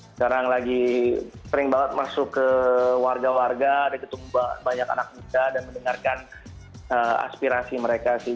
sekarang lagi sering banget masuk ke warga warga ada ketemu banyak anak muda dan mendengarkan aspirasi mereka sih